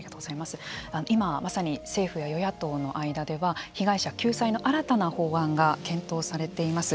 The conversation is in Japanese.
今、まさに政府や与野党の間では被害者救済の新たな法案が検討されています。